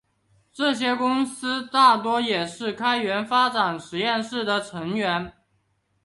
这些公司大多也是开源发展实验室的成员。